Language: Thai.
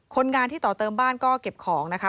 คนงานที่ต่อเติมบ้านก็เก็บของนะคะ